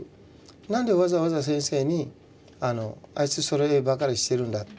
何でわざわざ先生にあいつそればかりしてるんだっていう。